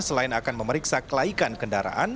selain akan memeriksa kelaikan kendaraan